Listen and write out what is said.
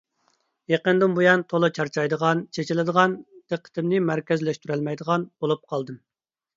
يېقىندىن بۇيان تولا چارچايدىغان، چېچىلىدىغان، دىققىتىمنى مەركەزلەشتۈرەلمەيدىغان بولۇپ قالدىم.